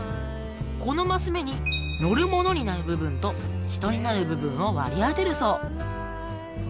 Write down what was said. このマス目に乗るものになる部分と人になる部分を割り当てるそう。